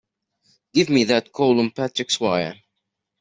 Give me that call on Patrick's wire!